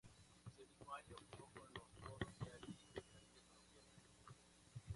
Ese mismo año jugó con los Toros de Cali de la Liga Colombiana.